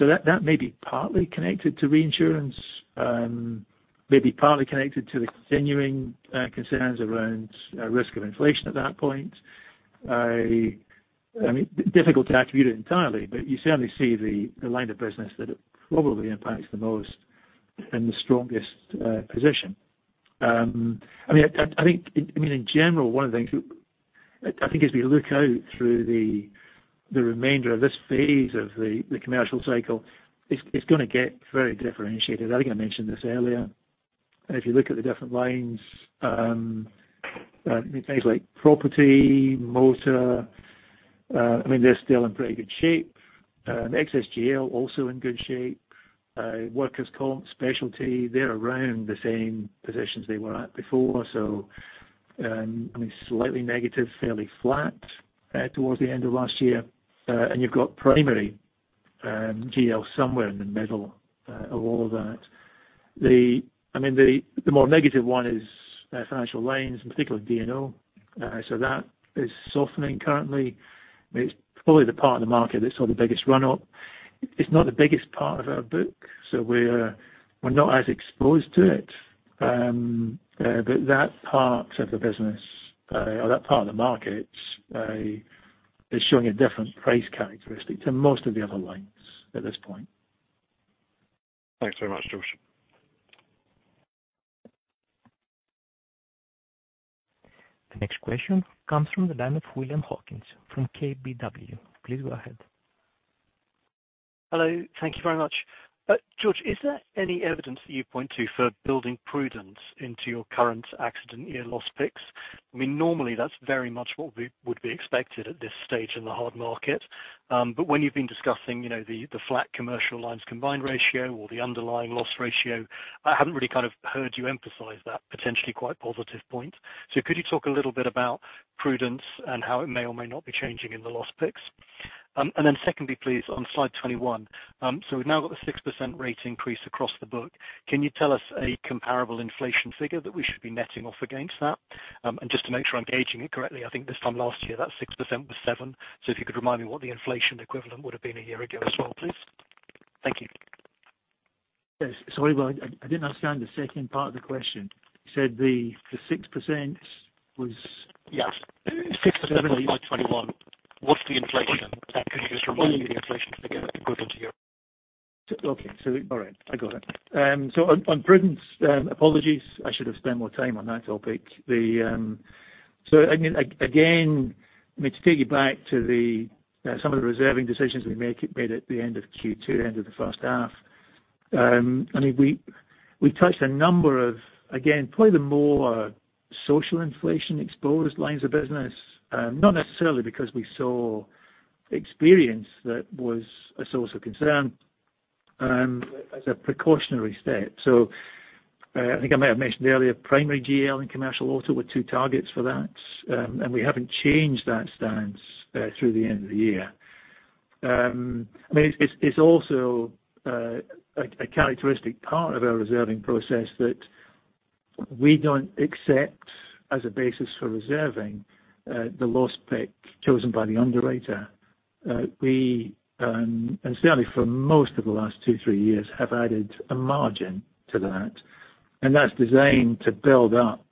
That may be partly connected to reinsurance, may be partly connected to the continuing, concerns around, risk of inflation at that point. I mean, difficult to attribute it entirely, but you certainly see the line of business that it probably impacts the most. In the strongest position. I mean, I think, I mean, in general, one of the things I think as we look out through the remainder of this phase of the commercial cycle, it's gonna get very differentiated. I think I mentioned this earlier. If you look at the different lines, things like property, motor, I mean, they're still in pretty good shape. Excess GL also in good shape. Workers' comp, specialty, they're around the same positions they were at before. I mean, slightly negative, fairly flat, towards the end of last year. You've got primary GL somewhere in the middle of all of that. The, I mean, the more negative one is financial lines, in particular D&O. That is softening currently. It's probably the part of the market that saw the biggest run up. It's not the biggest part of our book, so we're not as exposed to it. That part of the business, or that part of the market, is showing a different price characteristic to most of the other lines at this point. Thanks very much, George. The next question comes from the line of William Hawkins from KBW. Please go ahead. Hello. Thank you very much. George, is there any evidence that you point to for building prudence into your current accident year loss picks? I mean, normally that's very much what we would be expected at this stage in the hard market. When you've been discussing, you know, the flat commercial lines combined ratio or the underlying loss ratio, I haven't really kind of heard you emphasize that potentially quite positive point. Could you talk a little bit about prudence and how it may or may not be changing in the loss picks? Then secondly, please, on slide 21, we've now got the 6% rate increase across the book. Can you tell us a comparable inflation figure that we should be netting off against that? Just to make sure I'm gauging it correctly, I think this time last year, that 6% was 7%. If you could remind me what the inflation equivalent would have been a year ago as well, please? Thank you. Yes. I didn't understand the second part of the question. You said the 6% was? Yes. 6% on slide 21. What's the inflation? Can you just remind me the inflation equivalent a year ago? Okay. All right, I got it. On prudence, apologies, I should have spent more time on that topic. I mean, again, I mean, to take you back to the some of the reserving decisions we made at the end of Q2, end of the first half. I mean, we touched a number of, again, probably the more social inflation exposed lines of business, not necessarily because we saw experience that was a source of concern, as a precautionary step. I think I may have mentioned earlier, primary GL and commercial auto were two targets for that, and we haven't changed that stance through the end of the year. I mean, it's also a characteristic part of our reserving process that we don't accept as a basis for reserving, the loss pick chosen by the underwriter. We, and certainly for most of the last two, three years, have added a margin to that. That's designed to build up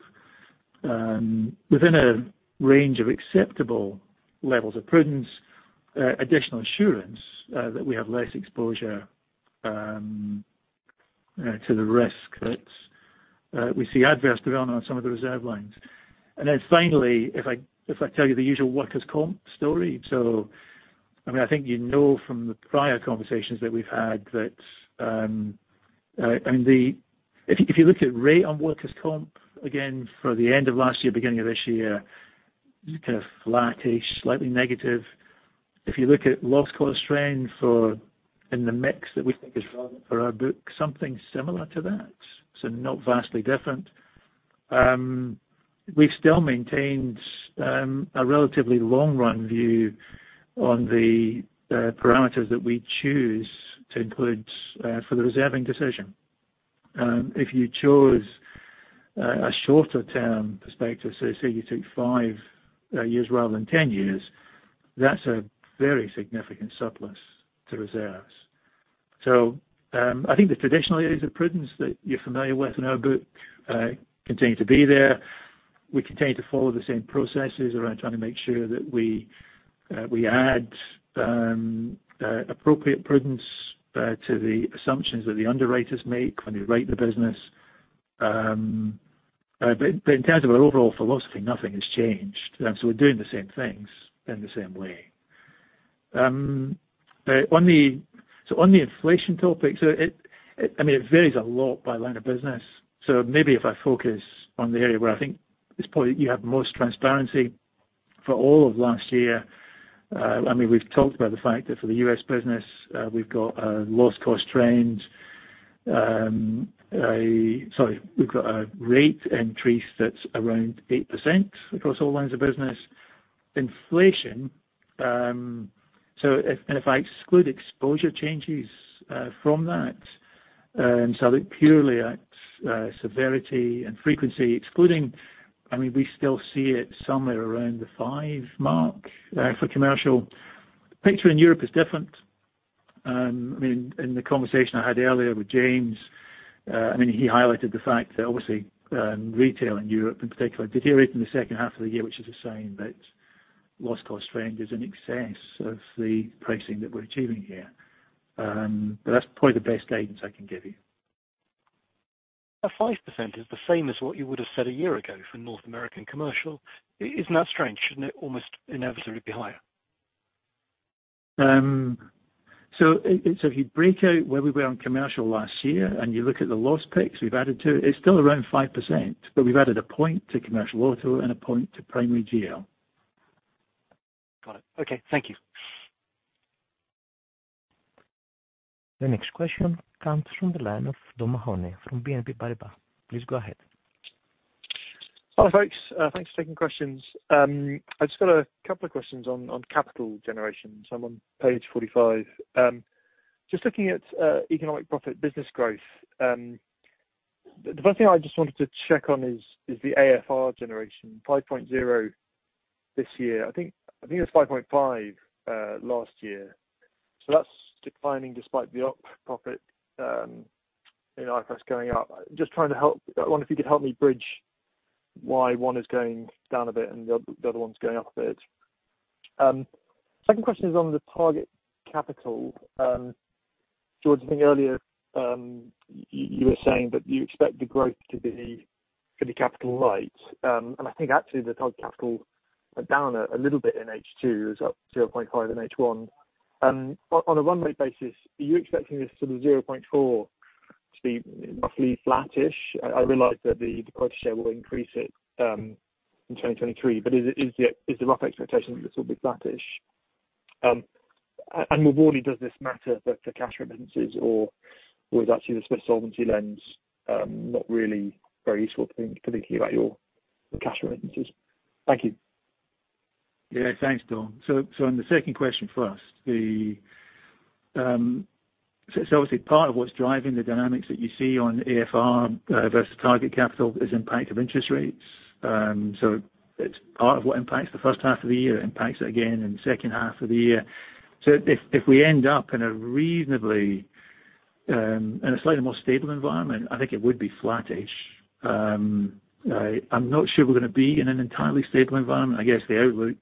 within a range of acceptable levels of prudence, additional assurance, that we have less exposure to the risk that we see adverse development on some of the reserve lines. Then finally, if I, if I tell you the usual workers' comp story. I mean, I think you know from the prior conversations that we've had that, I mean, the, if you look at rate on workers' comp, again, for the end of last year, beginning of this year, it's kind of flattish, slightly negative. If you look at loss cost trend for in the mix that we think is relevant for our book, something similar to that, so not vastly different. We've still maintained a relatively long run view on the parameters that we choose to include for the reserving decision. If you chose a shorter term perspective, so say you took five years rather than 10 years, that's a very significant surplus to reserves. I think the traditional areas of prudence that you're familiar with in our book, continue to be there. We continue to follow the same processes around trying to make sure that we add appropriate prudence to the assumptions that the underwriters make when they write the business. In terms of our overall philosophy, nothing has changed. We're doing the same things in the same way. On the inflation topic, it varies a lot by line of business. Maybe if I focus on the area where I think it's probably you have most transparency for all of last year, we've talked about the fact that for the U.S. business, we've got a loss cost trend. Sorry. We've got a rate increase that's around 8% across all lines of business. Inflation, if, and if I exclude exposure changes from that, and so look purely at severity and frequency excluding, I mean, we still see it somewhere around the 5% mark for commercial. The picture in Europe is different. I mean, in the conversation I had earlier with James Shuck, I mean, he highlighted the fact that obviously, retail in Europe in particular deteriorated in the second half of the year, which is a sign that loss cost trend is in excess of the pricing that we're achieving here. That's probably the best guidance I can give you. 5% is the same as what you would have said a year ago for North American Commercial, isn't that strange? Shouldn't it almost inevitably be higher? If you break out where we were on commercial last year and you look at the loss picks we've added to, it's still around 5%, but we've added 1 point to commercial auto and 1 point to primary GL. Got it. Okay. Thank you. The next question comes from the line of Dom O'Mahony from BNP Paribas. Please go ahead. Hello, folks. Thanks for taking questions. I just got a couple of questions on capital generation. I'm on page 45. Just looking at economic profit business growth, the first thing I just wanted to check on is the AFR generation, $5.0 billion this year. I think it was $5.5 billion last year. That's declining despite the op profit, you know, I guess going up. I wonder if you could help me bridge why one is going down a bit and the other one's going up a bit? Second question is on the target capital. George, I think earlier, you were saying that you expect the growth to be pretty capital light. I think actually the target capital are down a little bit in H2, is up $0.5 billion in H1. On a run rate basis, are you expecting this sort of $0.4 billion to be roughly flattish? I realize that the quota share will increase it in 2023, but is it, is the rough expectation that this will be flattish? More broadly, does this matter for cash remittances or is actually the sort of solvency lens not really very useful to think particularly about your cash remittances? Thank you. Yeah, thanks, Dom. On the second question first, obviously part of what's driving the dynamics that you see on AFR versus target capital is impact of interest rates. It's part of what impacts the first half of the year. It impacts it again in the second half of the year. If we end up in a reasonably in a slightly more stable environment, I think it would be flattish. I'm not sure we're gonna be in an entirely stable environment. I guess the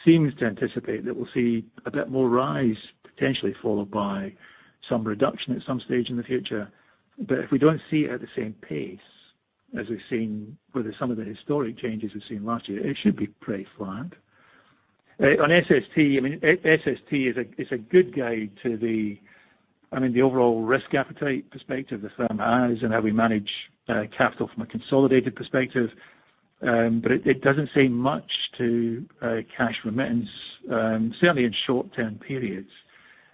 outlook seems to anticipate that we'll see a bit more rise, potentially followed by some reduction at some stage in the future. If we don't see it at the same pace as we've seen with some of the historic changes we've seen last year, it should be pretty flat. On SST, I mean, SST is a good guide to the, I mean, the overall risk appetite perspective the firm has and how we manage capital from a consolidated perspective. It doesn't say much to cash remittance, certainly in short-term periods,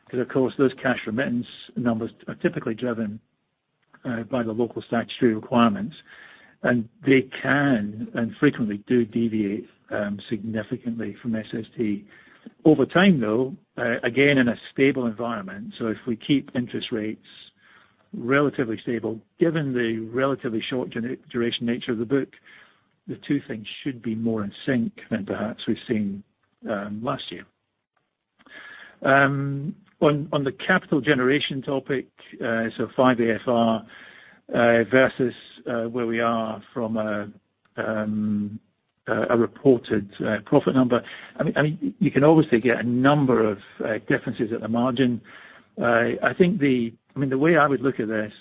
'cause of course, those cash remittance numbers are typically driven by the local statutory requirements, and they can, and frequently do deviate significantly from SST. Over time, though, again, in a stable environment, if we keep interest rates relatively stable, given the relatively short duration nature of the book, the two things should be more in sync than perhaps we've seen last year. On the capital generation topic, $5 billion AFR versus where we are from a reported profit number. I mean, you can obviously get a number of differences at the margin. I think the way I would look at this,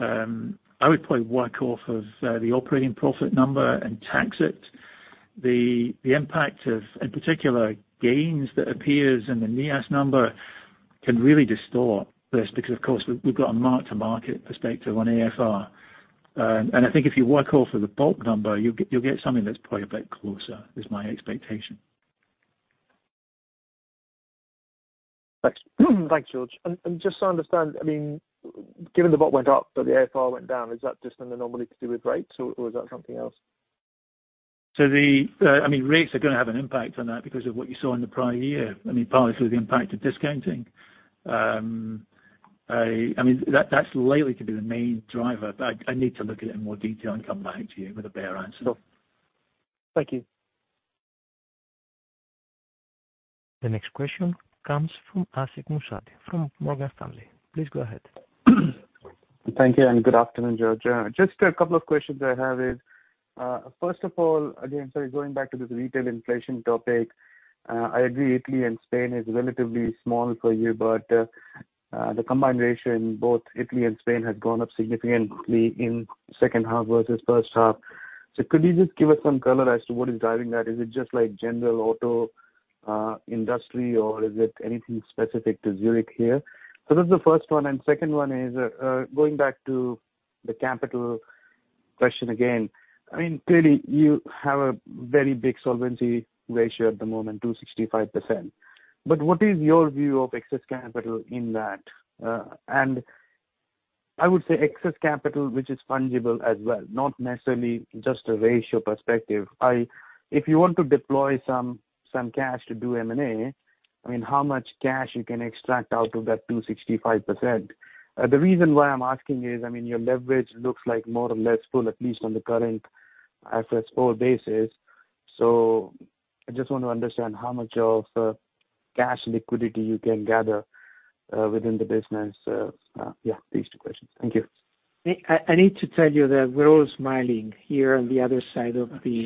I mean, I would probably work off of the operating profit number and tax it. The impact of, in particular gains that appears in the NIAS number can really distort this because of course we've got a mark-to-market perspective on AFR. I think if you work off of the bulk number, you'll get something that's probably a bit closer, is my expectation. Thanks. Thanks, George. Just to understand, I mean, given the bot went up, but the AFR went down, is that just an anomaly to do with rates or is that something else? I mean, rates are gonna have an impact on that because of what you saw in the prior year, I mean, partly through the impact of discounting. I mean, that's likely to be the main driver, but I need to look at it in more detail and come back to you with a better answer. Thank you. The next question comes from Ashik Musaddi from Morgan Stanley. Please go ahead. Thank you, good afternoon, George. Just a couple of questions I have is, first of all, again, sorry, going back to this retail inflation topic. I agree Italy and Spain is relatively small for you, the combination, both Italy and Spain, has gone up significantly in second half versus first half. Could you just give us some color as to what is driving that? Is it just like general auto, industry or is it anything specific to Zurich here? That's the first one. Second one is, going back to the capital question again. I mean, clearly you have a very big solvency ratio at the moment, 265%. What is your view of excess capital in that? And I would say excess capital which is fungible as well, not necessarily just a ratio perspective. If you want to deploy some cash to do M&A, I mean, how much cash you can extract out of that 265%? The reason why I'm asking is, I mean, your leverage looks like more or less full, at least on the current IFRS 4 basis. I just want to understand how much of cash liquidity you can gather within the business? Yeah, these two questions. Thank you. I need to tell you that we're all smiling here on the other side of the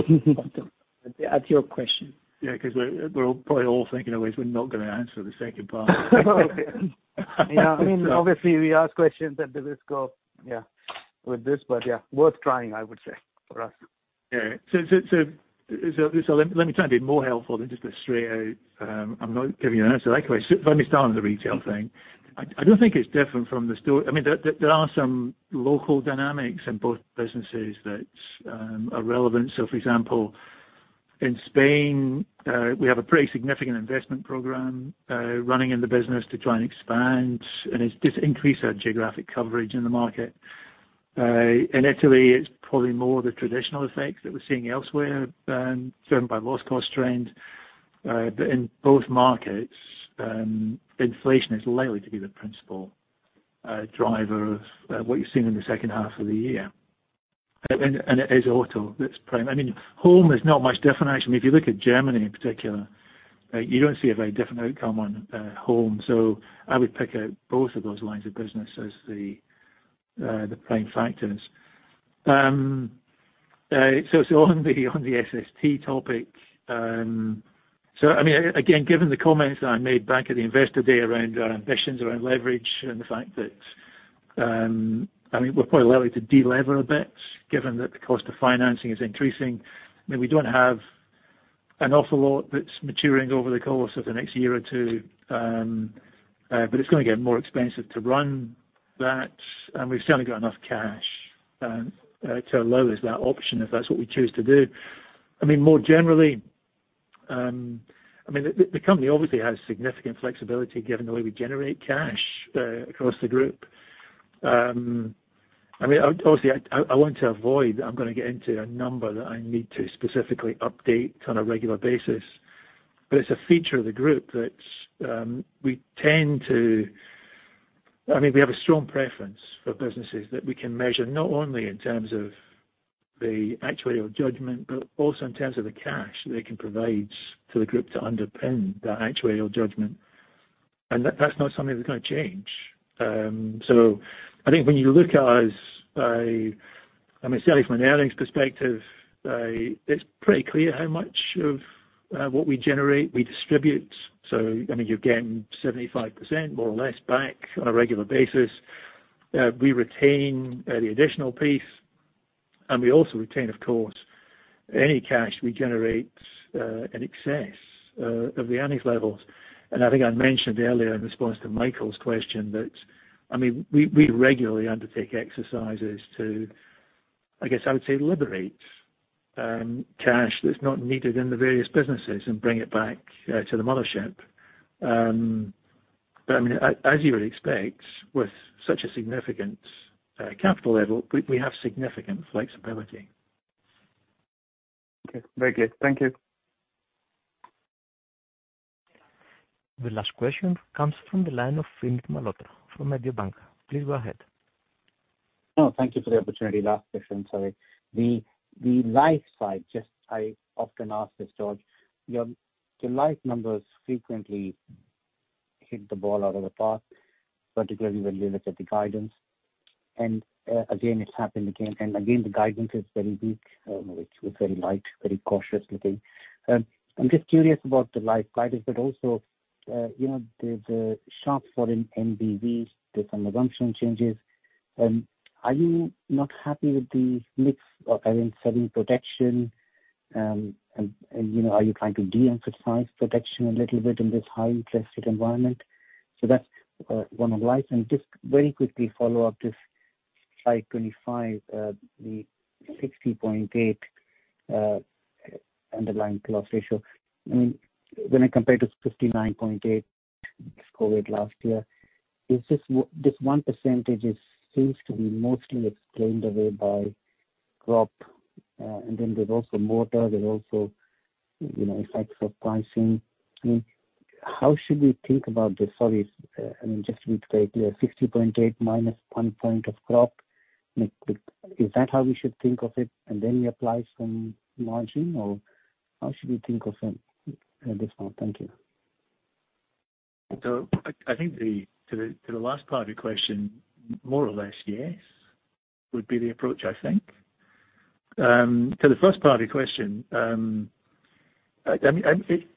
at your question. Yeah, because we're probably all thinking of ways we're not gonna answer the second part. Yeah. I mean, obviously we ask questions at the risk of, yeah, with this, but yeah, worth trying, I would say, for us. Yeah. Let me try and be more helpful than just go straight out. I'm not giving you an answer that way. Let me start on the retail thing. I don't think it's different from the store. I mean, there are some local dynamics in both businesses that are relevant. For example, in Spain, we have a pretty significant investment program running in the business to try and expand, and it's just increased our geographic coverage in the market. In Italy, it's probably more the traditional effects that we're seeing elsewhere, driven by loss cost trends. In both markets, inflation is likely to be the principal driver of what you're seeing in the second half of the year. It is auto that's prime. I mean, home, there's not much definition. If you look at Germany in particular, you don't see a very different outcome on home. I would pick out both of those lines of business as the prime factors. On the SST topic, I mean, again, given the comments that I made back at the Investor Day around our ambitions around leverage and the fact that we're probably likely to de-lever a bit given that the cost of financing is increasing. I mean, we don't have an awful lot that's maturing over the course of the next year or two, but it's gonna get more expensive to run that. We've certainly got enough cash to leverage that option if that's what we choose to do. I mean, more generally, I mean, the company obviously has significant flexibility given the way we generate cash across the group. I mean, obviously I want to avoid, I'm gonna get into a number that I need to specifically update on a regular basis. It's a feature of the group that we tend to. I mean, we have a strong preference for businesses that we can measure not only in terms of the actuarial judgment, but also in terms of the cash they can provide to the group to underpin that actuarial judgment. That's not something that's gonna change. I think when you look at us, I mean, certainly from an earnings perspective, it's pretty clear how much of what we generate, we distribute. I mean, you're getting 75% more or less back on a regular basis. We retain the additional piece, and we also retain, of course, any cash we generate in excess of the earnings levels. I think I mentioned earlier in response to Michael's question that, I mean, we regularly undertake exercises to, I guess I would say, liberate cash that's not needed in the various businesses and bring it back to the mothership. I mean, as you would expect with such a significant capital level, we have significant flexibility. Okay. Very good. Thank you. The last question comes from the line of Vinit Malhotra from Mediobanca. Please go ahead. Thank you for the opportunity. Last question, sorry. The Life side, just I often ask this, George. Your life numbers frequently hit the ball out of the park, particularly when you look at the guidance. Again, it's happened again and again, the guidance is very weak, it's very light, very cautious looking. I'm just curious about the Life guidance, but also, you know, the sharp fall in NBV based on the assumption changes. Are you not happy with the mix of, I mean, selling protection, and, you know, are you trying to de-emphasize protection a little bit in this high interest rate environment? That's one on Life. Just very quickly follow up, just slide 25, the 60.8 underlying cost ratio. I mean, when I compare to 59.8 discovered last year, this 1% seems to be mostly explained away by crop. Then there's also motor. There's also, you know, effects of pricing. I mean, how should we think about this? Sorry. I mean, just to be clear, 60.8 minus 1 point of crop. Like, is that how we should think of it? Then we apply some margin, or how should we think of it at this point? Thank you. I think the last part of your question, more or less, yes, would be the approach, I think. To the first part of your question, I mean,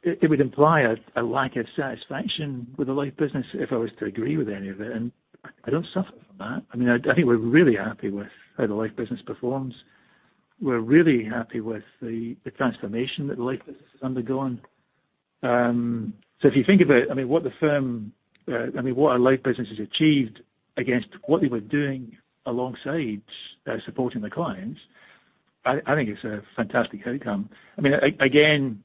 it would imply a lack of satisfaction with the life business if I was to agree with any of it, and I don't suffer from that. I mean, I think we're really happy with how the life business performs. We're really happy with the transformation that the life business has undergone. If you think about it, I mean, what the firm, I mean, what our life business has achieved against what they were doing alongside, supporting the clients, I think it's a fantastic outcome. I mean, again,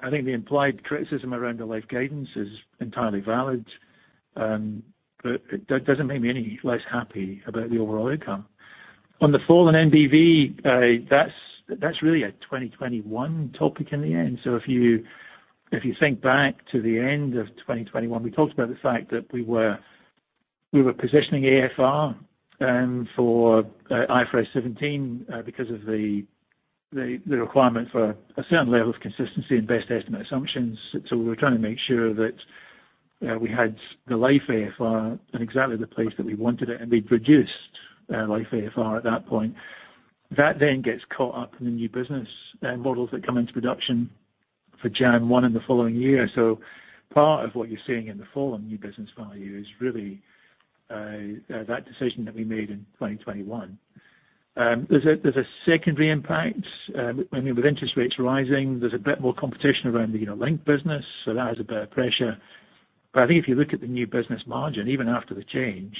I think the implied criticism around the life guidance is entirely valid. But it doesn't make me any less happy about the overall outcome. On the fall in NBV, that's really a 2021 topic in the end. If you think back to the end of 2021, we talked about the fact that we were positioning AFR for IFRS 17 because of the requirement for a certain level of consistency in best estimate assumptions. We were trying to make sure that, yeah, we had the life AFR in exactly the place that we wanted it, and we produced life AFR at that point. That then gets caught up in the new business models that come into production for Jan 1 in the following year. Part of what you're seeing in the fall on new business value is really, that decision that we made in 2021. There's a secondary impact. I mean, with interest rates rising, there's a bit more competition around the, you know, linked business, so that has a bit of pressure. I think if you look at the new business margin, even after the change,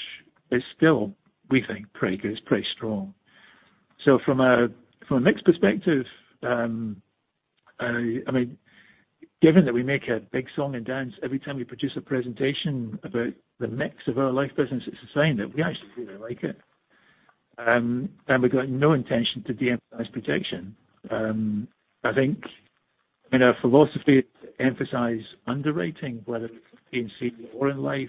it's still, we think, pretty good. It's pretty strong. From a, from a mix perspective, I mean, given that we make a big song and dance every time we produce a presentation about the mix of our life business, it's a sign that we actually really like it. And we've got no intention to de-emphasize protection. I think in our philosophy to emphasize underwriting, whether it's P&C or in life,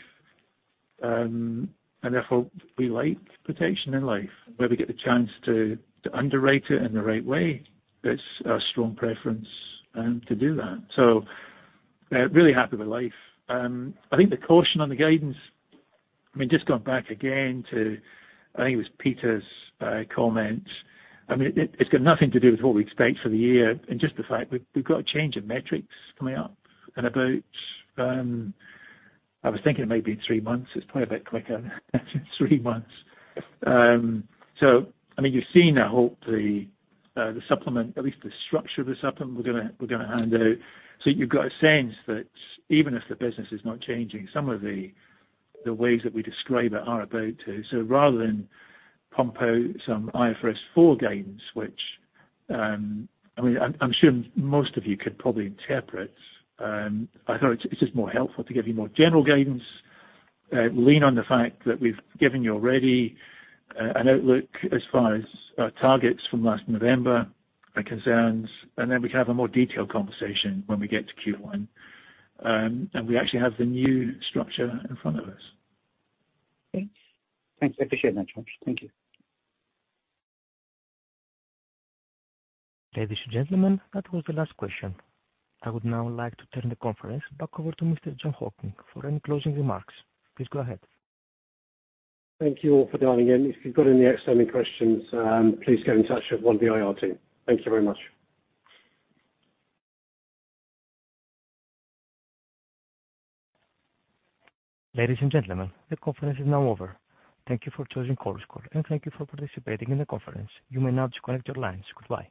and therefore we like protection in life, where we get the chance to underwrite it in the right way, that's our strong preference to do that. Really happy with life. I think the caution on the guidance, I mean, just going back again to, I think it was Peter's comment. I mean, it's got nothing to do with what we expect for the year and just the fact we've got a change of metrics coming up in about, I was thinking it may be in 3 months. It's probably a bit quicker than 3 months. I mean, you've seen now hopefully, the supplement, at least the structure of the supplement we're gonna hand out. You've got a sense that even if the business is not changing, some of the ways that we describe it are about to. Rather than pump out some IFRS 4 guidance, which, I mean, I'm sure most of you could probably interpret, I thought it's just more helpful to give you more general guidance. Lean on the fact that we've given you already an outlook as far as our targets from last November are concerned. Then we can have a more detailed conversation when we get to Q1, and we actually have the new structure in front of us. Thanks. I appreciate that, George. Thank you. Ladies and gentlemen, that was the last question. I would now like to turn the conference back over to Mr. Jon Hocking for any closing remarks. Please go ahead. Thank you all for dialing in. If you've got any outstanding questions, please get in touch with one of the IR team. Thank you very much. Ladies and gentlemen, the conference is now over. Thank you for choosing Chorus Call, and thank you for participating in the conference. You may now disconnect your lines. Goodbye.